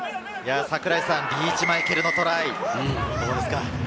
リーチ・マイケルのトライ、どうですか？